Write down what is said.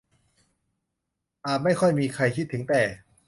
อาจไม่ค่อยมีใครคิดถึงแต่